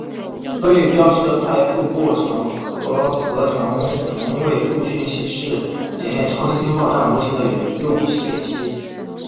颗粒标示的快速过程核合成同位素讯息是检验超新星爆炸模型的有用讯息。